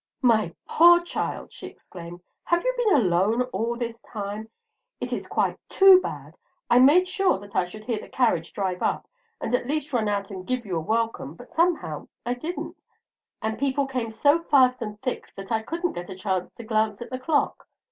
"My poor child," she exclaimed, "have you been alone all this time? It is quite too bad! I made sure that I should hear the carriage drive up, and at least run out and give you a welcome, but somehow I didn't; and people came so fast and thick that I couldn't get a chance to glance at the clock."